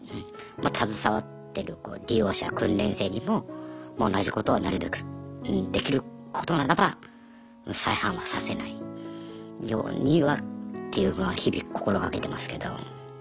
携わってる利用者訓練生にも同じことはなるべくできることならば再犯はさせないようにはっていうのは日々心掛けてますけど。